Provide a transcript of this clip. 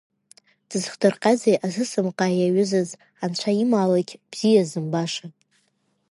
Дзыхдырҟьазеи асыс мҟаа иаҩызаз, Анцәа имаалықь, бзиа зымбаша?